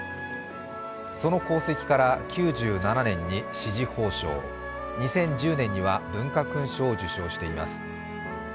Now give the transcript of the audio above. その功績から９７年に紫綬褒章、２０１０年には文化勲章を受章しています。